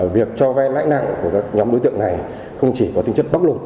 việc cho vay lãi nặng của các nhóm đối tượng này không chỉ có tính chất bốc lụt